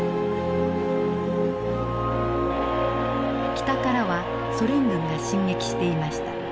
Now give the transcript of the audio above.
北からはソ連軍が進撃していました。